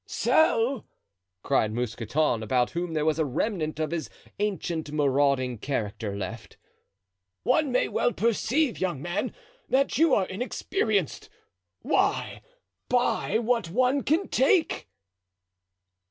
"Sell!" cried Mousqueton, about whom there was a remnant of his ancient marauding character left. "One may well perceive, young man, that you are inexperienced. Why buy what one can take?"